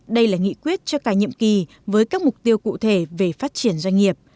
đây là nghị quyết cho cả nhiệm kỳ với các mục tiêu cụ thể về phát triển doanh nghiệp